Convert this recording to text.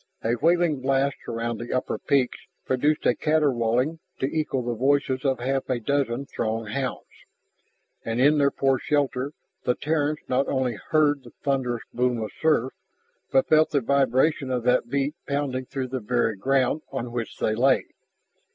A wailing blast around the upper peaks produced a caterwauling to equal the voices of half a dozen Throg hounds. And in their poor shelter the Terrans not only heard the thunderous boom of surf, but felt the vibration of that beat pounding through the very ground on which they lay.